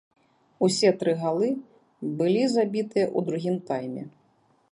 Усе тры галы былі забітыя ў другім тайме.